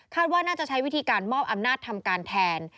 ว่าน่าจะใช้วิธีการมอบอำนาจทำการแทน